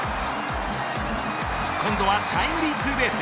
今度はタイムリーツーベース。